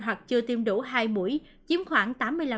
hoặc chưa tiêm đủ hai mũi chiếm khoảng tám mươi năm